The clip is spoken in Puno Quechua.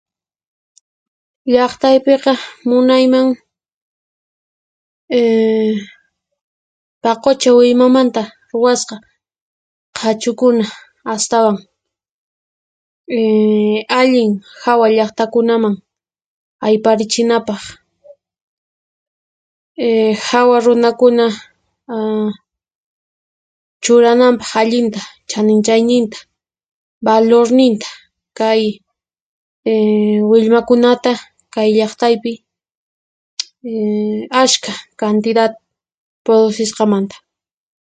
Llaqtaypiqa munayman ehh paqucha willmamanta ruwasqa Qhachukuna astawan ehh allin hawa llaqtakunaman ayparichinapaq ehh hawa runakuna aah churananpaq allinta chaninchayninta, valorninta kay ehh willmakunata kay llaqtaypi ehh ashkha cantidad producisqamanta.